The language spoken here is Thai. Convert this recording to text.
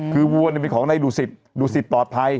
คือวัวนี่มีของในดูสิทธิ์ดูสิทธิ์ตอดภัย